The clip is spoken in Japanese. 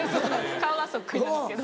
顔はそっくりなんですけど。